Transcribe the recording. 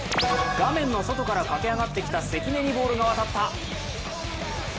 画面の外から駆け上がってきた関根にボールが渡った。